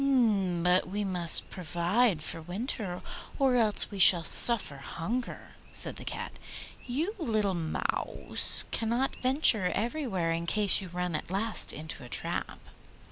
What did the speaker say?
'But we must provide for the winter or else we shall suffer hunger,' said the Cat. 'You, little Mouse, cannot venture everywhere in case you run at last into a trap.